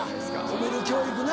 褒める教育な。